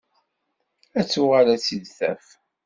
Ad tuɣal ad tt-id-taf.